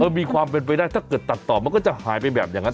มีความเป็นไปได้ถ้าเกิดตัดต่อมันก็จะหายไปแบบอย่างนั้น